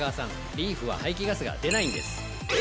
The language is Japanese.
リーフは排気ガスが出ないんです！